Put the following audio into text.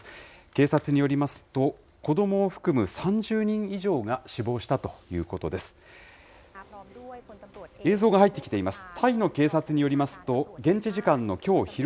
警察によりますと、子どもを含む３０人以上が死亡したということです。